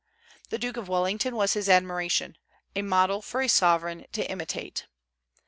The Duke of Wellington was his admiration, a model for a sovereign to imitate.